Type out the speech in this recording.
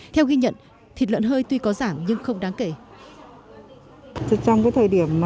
theo ghi nhận thịt lợn hơi tuy có giảm nhưng không đáng kể